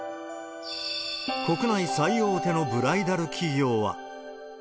国内最大手のブライダル企業は。